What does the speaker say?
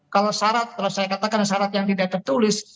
kalau syarat kalau saya katakan syarat yang tidak tertulis